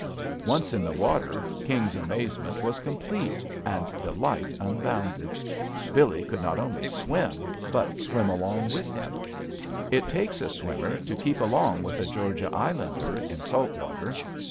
Once in the water, King's amazement was complete, and delight unbounded. Billee could not only swim, but swim along with him. It takes a swimmer to keep along with a Georgia islander in salt water.